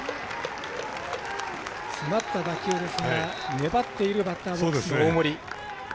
詰まった打球ですが粘っているバッターボックスの大森。